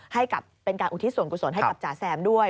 ให้กับเป็นการอุทิศส่วนกุศลให้กับจ๋าแซมด้วย